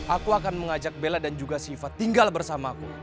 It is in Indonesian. aku akan mengajak bella dan juga siva tinggal bersamaku